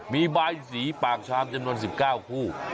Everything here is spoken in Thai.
มีใบสีปากชามจำนวน๑๙คู่